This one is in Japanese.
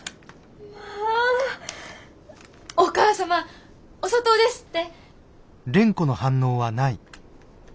お母様お砂糖ですって！